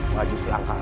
pantes aja kak fanny